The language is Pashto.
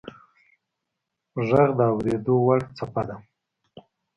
• ږغ د اورېدو وړ څپه ده.